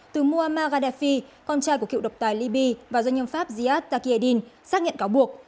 từ muammar gaddafi con trai của cựu độc tài libby và doanh nhân pháp ziad takieddin xác nhận cáo buộc